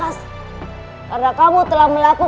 mas mas makasih mas kol